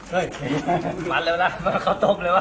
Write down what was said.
เฮ้ยปันเร็วแล้วเขาตกเลยว่ะ